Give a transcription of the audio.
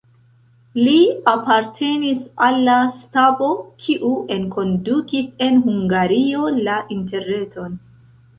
Li apartenis al la stabo, kiu enkondukis en Hungario la interreton.